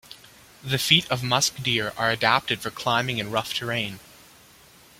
The feet of musk deer are adapted for climbing in rough terrain.